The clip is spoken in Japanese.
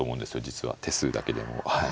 実は手数だけでもはい。